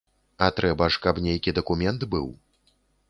А трэба ж, каб нейкі дакумент быў.